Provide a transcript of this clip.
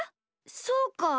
そうか。